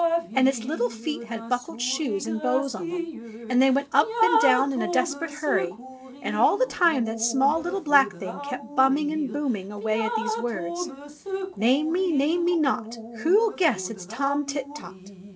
And its little feet had buckled shoes and bows on them, and they went up and down in a desperate hurry. And all the time that small, little, black Thing kept bumming and booming away at these words : "Name me, name me not, Who'll guess it's Tom Tit Tot.'